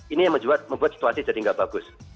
ini yang membuat situasi jadi nggak bagus